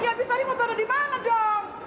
ya abis tadi mau taruh dimana dong